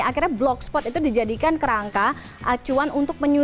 akhirnya blogspot itu dijadikan kerangka acuan untuk menyusun